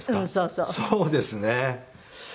そうですね。